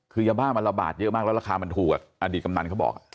คือยาบ้ามันระบาดเยอะมากแล้วราคามันถูกอดีตกำนันเขาบอก